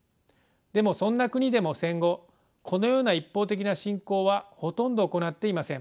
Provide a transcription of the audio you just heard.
でもそんな国でも戦後このような一方的な侵攻はほとんど行っていません。